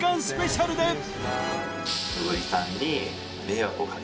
スペシャルで！